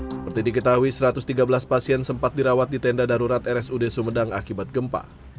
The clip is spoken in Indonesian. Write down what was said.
seperti diketahui satu ratus tiga belas pasien sempat dirawat di tenda darurat rsud sumedang akibat gempa